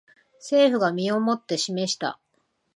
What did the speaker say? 政府が身をもって示した